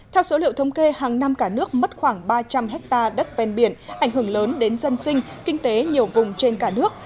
theo số liệu thống kê hàng năm cả nước mất khoảng ba trăm linh hectare đất ven biển ảnh hưởng lớn đến dân sinh kinh tế nhiều vùng trên cả nước